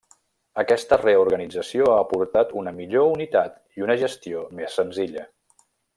Aquesta reorganització ha aportat una millor unitat i una gestió més senzilla.